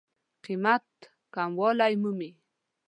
قېمت کموالی مومي.